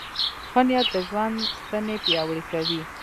ښه نیت د ژوند ستنې پیاوړې کوي.